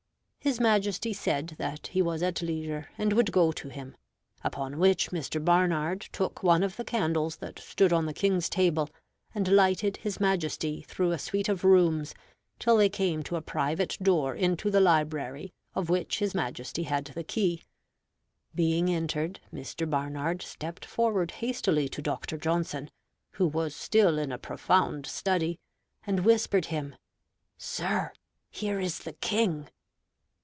His Majesty said that he was at leisure, and would go to him; upon which Mr. Barnard took one of the candles that stood on the King's table and lighted his Majesty through a suite of rooms, till they came to a private door into the library of which his Majesty had the key. Being entered, Mr. Barnard stepped forward hastily to Dr. Johnson, who was still in a profound study, and whispered him, "Sir, here is the King."